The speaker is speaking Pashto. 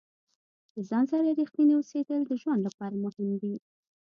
د ځان سره ریښتیني اوسیدل د ژوند لپاره مهم دي.